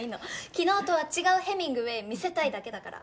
昨日とは違うヘミングウェイ見せたいだけだから。